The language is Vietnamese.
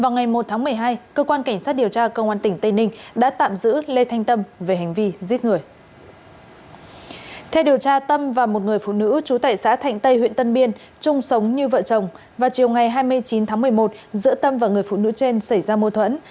ngày hai mươi chín tháng một mươi một giữa tâm và người phụ nữ trên xảy ra mô thuẫn